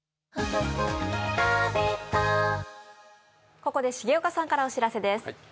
ここで重岡さんからお知らせです。